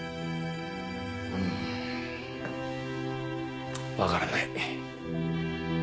うーんわからない。